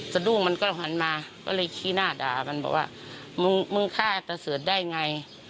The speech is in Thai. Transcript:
สะดุมันก็หันมาก็เลยขี้หน้าด่ามันบอกว่ามึงฆ่าเตอร์เสือดได้ไง